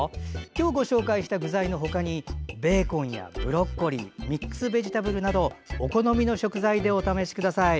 今日ご紹介した具材の他にベーコンやブロッコリーミックスベジタブルなどお好みの食材でお試しください。